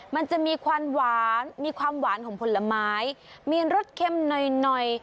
มันจะมีความหวานมีความหวานของผลไม้มีรสเค็มหน่อยหน่อย